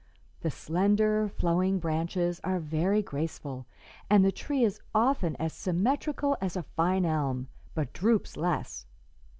The slender, flowing branches are very graceful, and the tree is often as symmetrical as a fine elm, but droops less.